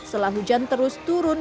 setelah hujan terus turun